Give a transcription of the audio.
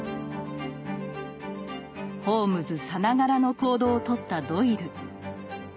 ホームズさながらの行動をとったドイル。